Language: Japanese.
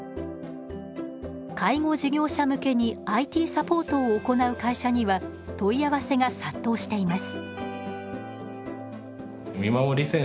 介護事業者向けにＩＴサポートを行う会社には問い合わせが殺到しています。